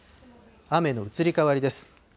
雨の移り変わりです。